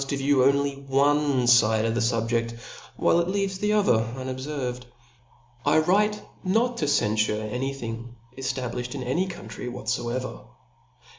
to view only one fide of the fubje(a^ while it leaves the other unobferved. ,.. I write not to cenfure any thing eftabliflied in any country whatfoevcr.